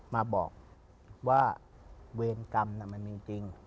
มาบอกว่าเวรกรรมมันมีจริง